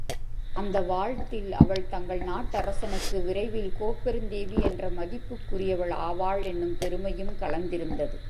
அந்த வாழ்த்தில் அவள் தங்கள் நாட்டரசனுக்கு விரைவில் கோப்பெருந்தேவி என்ற மதிப்புக்குரியவள் ஆவாள் என்னும் பெருமையும் கலந்திருந்தது.